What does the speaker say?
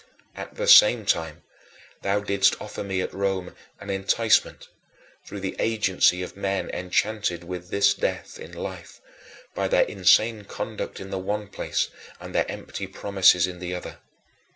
At the same time, thou didst offer me at Rome an enticement, through the agency of men enchanted with this death in life by their insane conduct in the one place and their empty promises in the other.